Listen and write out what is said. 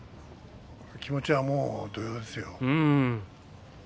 気持ちはもう本当あれですよ